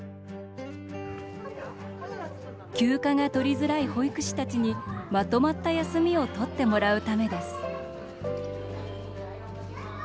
休暇がとりづらい保育士たちにまとまった休みをとってもらうためです。